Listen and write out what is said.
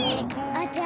あちゃ